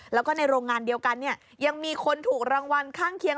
แล้วก็ในโรงงานเดียวกันเนี่ยยังมีคนถูกรางวัลข้างเคียง